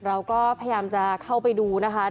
เราก็พยายามจะเข้าไปดูนะคะ